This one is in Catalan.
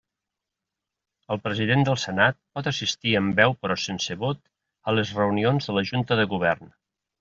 El president del Senat pot assistir amb veu però sense vot a les reunions de la Junta de Govern.